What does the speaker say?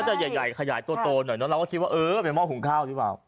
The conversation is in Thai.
จะใหญ่ขยายตัวหน่อยเนอะเราก็คิดว่าเออเป็นห้อหุงข้าวหรือเปล่า